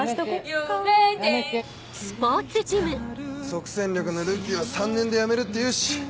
即戦力のルーキーは３年で辞めるって言うし。